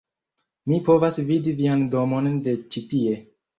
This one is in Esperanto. "mi povas vidi vian domon de ĉi-tie!"